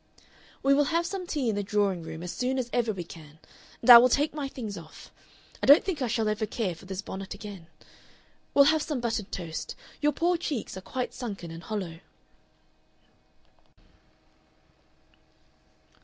"We will have some tea in the drawing room as soon as ever we can and I will take my things off. I don't think I shall ever care for this bonnet again. We'll have some buttered toast. Your poor cheeks are quite sunken and hollow...."